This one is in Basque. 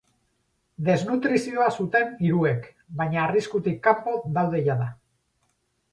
Desnutrizioa zuten hiruek, baina arriskutik kanpo daude jada.